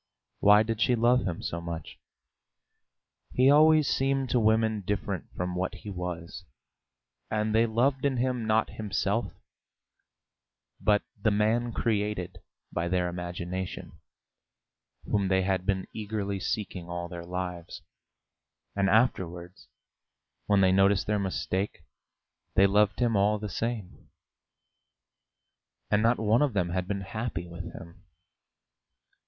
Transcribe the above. Why did she love him so much? He always seemed to women different from what he was, and they loved in him not himself, but the man created by their imagination, whom they had been eagerly seeking all their lives; and afterwards, when they noticed their mistake, they loved him all the same. And not one of them had been happy with him.